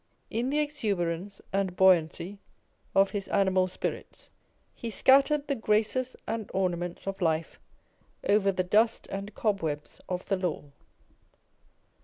In the exuberance and buoyancy of his animal spirits, he scattered the graces and ornaments of life over the dust and cobwebs of the law.